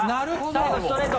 最後ストレート！